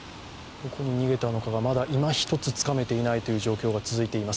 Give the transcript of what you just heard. どこに逃げたのかがいま一つつかめていないという状況が続いています。